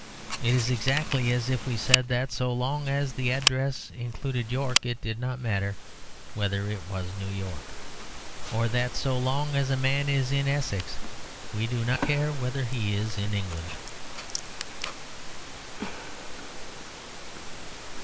It is exactly as if we said that so long as the address included York it did not matter whether it was New York; or that so long as a man is in Essex we do not care whether he is in England.